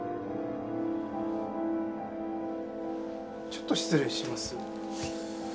ちょっと失礼します。